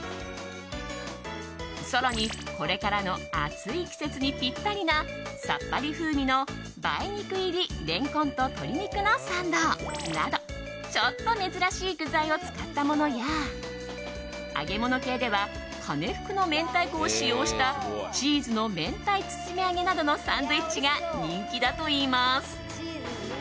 更に、これからの暑い季節にピッタリなさっぱり風味の梅肉入り蓮根と鶏肉のサンドなどちょっと珍しい具材を使ったものや揚げ物系ではかねふくの明太子を使用したチーズの明太包み揚げなどのサンドイッチが人気だといいます。